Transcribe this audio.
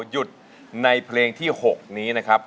หยุดในเพลงที่๖นี้นะครับ